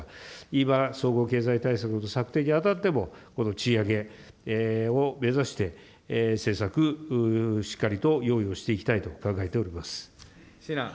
今、総合経済対策の策定にあたっても、この賃上げを目指して、政策しっかりと用意をしていきたいと考えております。